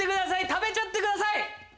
食べちゃってください！